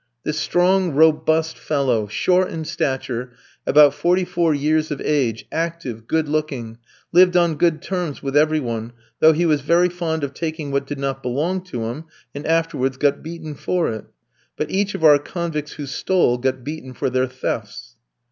This strong, robust fellow, short in stature, about forty four years of age, active, good looking, lived on good terms with every one, though he was very fond of taking what did not belong to him, and afterwards got beaten for it. But each of our convicts who stole got beaten for their thefts.